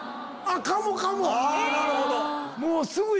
かもかも！